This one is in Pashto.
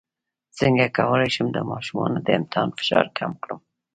څنګه کولی شم د ماشومانو د امتحان فشار کم کړم